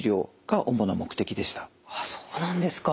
あっそうなんですか。